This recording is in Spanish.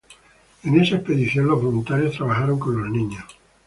En esa expedición, los voluntarios trabajaron con los niños.